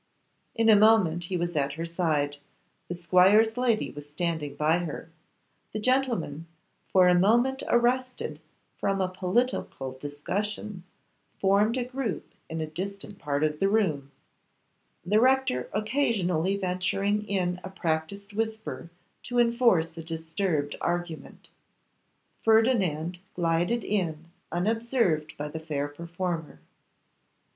In a moment he was at her side, the squire's lady was standing by her; the gentlemen, for a moment arrested from a political discussion, formed a group in a distant part of the room, the rector occasionally venturing in a practised whisper to enforce a disturbed argument. Ferdinand glided in unobserved by the fair performer.